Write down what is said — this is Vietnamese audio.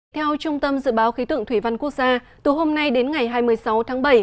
theo trung tâm dự báo khí tượng thủy văn quốc gia từ hôm nay đến ngày hai mươi sáu tháng bảy